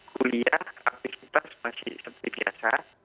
kuliah aktivitas masih seperti biasa